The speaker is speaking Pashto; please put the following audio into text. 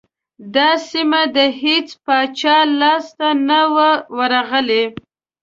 دا سیمه د هیڅ پاچا لاسته نه وه ورغلې.